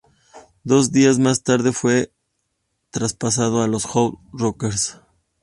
Dos días más tarde, fue traspasado a los Houston Rockets.